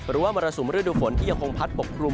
หรือว่ามรสุมฤดูฝนที่ยังคงพัดปกครุม